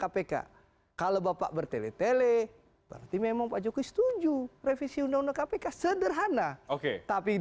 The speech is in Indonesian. kpk kalau bapak bertele tele berarti memang pak jokowi setuju revisi undang undang kpk sederhana oke tapi